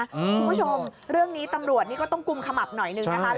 คุณผู้ชมเรื่องนี้ตำรวจนี่ก็ต้องกุมขมับหน่อยหนึ่งนะคะ